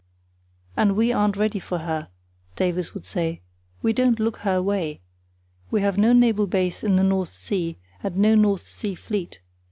"And we aren't ready for her," Davies would say; "we don't look her way. We have no naval base in the North Sea, and no North Sea Fleet.